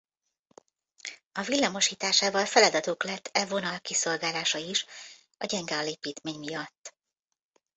A villamosításával feladatuk lett e vonal kiszolgálása is a gyenge alépítmény miatt.